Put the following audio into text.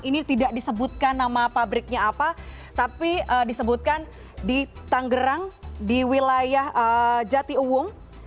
ini tidak disebutkan nama pabriknya apa tapi disebutkan di tanggerang di wilayah jati uwung